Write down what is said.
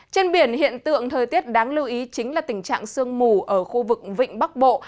trên biển hiện tượng thời tiết đáng lưu ý chính là tình trạng sương mù ở khu vực vịnh bắc bộ